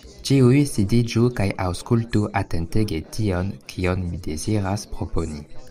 Ĉiuj sidiĝu kaj aŭskultu atentege tion, kion mi deziras proponi.